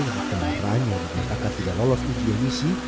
yang dikenakan tidak lolos uji emisi